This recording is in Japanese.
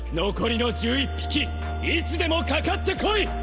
残りの１１匹いつでもかかってこい！